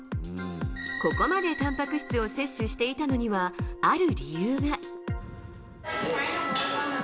ここまでたんぱく質を摂取していたのには、ある理由が。